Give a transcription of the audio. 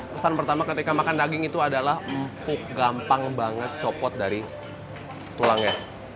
pesan pertama ketika makan daging itu adalah empuk gampang banget copot dari tulangnya